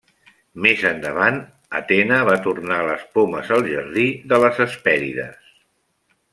Més endavant, Atena va tornar les pomes al jardí de les Hespèrides.